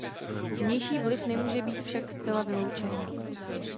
Vnější vliv nemůže být však zcela vyloučen.